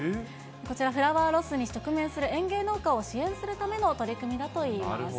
こちら、フラワーロスに直面する園芸農家を支援するための取り組みだといいます。